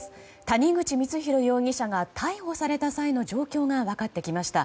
谷口光弘容疑者が逮捕された際の状況が分かってきました。